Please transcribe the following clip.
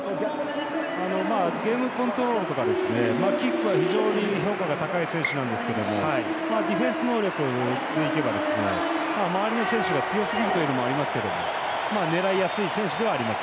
ゲームコントロールとかキックは非常に評価が高い選手なんですけどディフェンス能力においては周りの選手が強すぎるというのもありますけど狙いやすい選手ではあります。